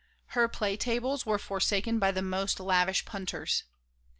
Her play tables were forsaken by the most lavish punters.